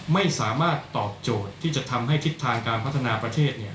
ไม่สามารถตอบโจทย์ที่จะทำให้ทิศทางการพัฒนาประเทศ